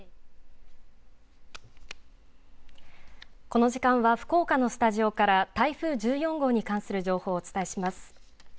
この時間は福岡のスタジオから台風１４号に関する情報をお伝えします。